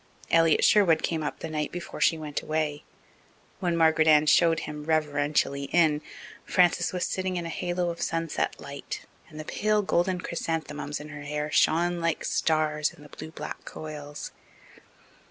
Elliott Sherwood came up the night before she went away. When Margaret Ann showed him reverentially in, Frances was sitting in a halo of sunset light, and the pale, golden chrysanthemums in her hair shone like stars in the blue black coils.